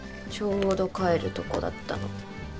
ちょうど帰るとこだったの。